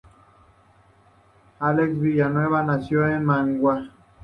Axel Villanueva nació en Managua.